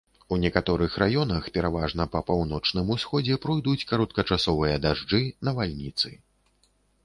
У некаторых раёнах, пераважна па паўночным усходзе, пройдуць кароткачасовыя дажджы, навальніцы.